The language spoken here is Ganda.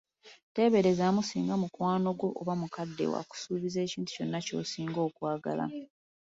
Teeberezaamu singa mukwano gwo oba mukadde wo akusuubizza ekintu kyonna ky'osinga okwagala.